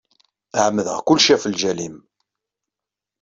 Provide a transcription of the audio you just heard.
Ɛemmdeɣ kulci ɣef lǧal-im.